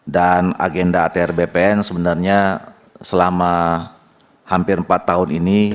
dan agenda atr bpn sebenarnya selama hampir empat tahun ini